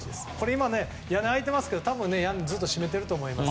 今、屋根が開いていましたけど屋根ずっと閉めていると思います。